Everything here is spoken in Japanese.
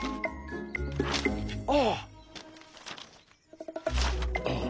ああ！